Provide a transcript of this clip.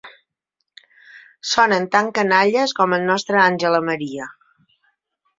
Sonen tan canalles com el nostre "Àngela Maria".